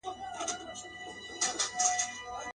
وايه څرنگه پرته وي پړسېدلې.